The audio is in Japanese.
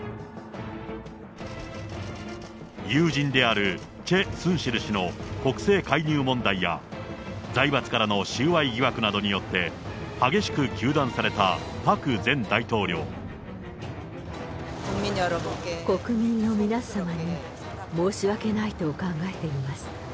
友人であるチェ・スンシル氏の国政介入問題や財閥からの収賄疑惑などによって、国民の皆様に申し訳ないと考えています。